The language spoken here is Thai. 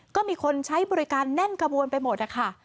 ก็มีคนใช้บริการแน่นกระบวนไปหมดนะคะ